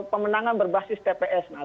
pemenangan berbasis tps